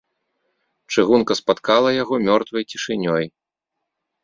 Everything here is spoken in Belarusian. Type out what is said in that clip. Чыгунка спаткала яго мёртвай цішынёй.